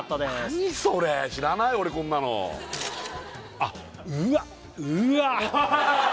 何それ知らない俺こんなのあっうわっうわっ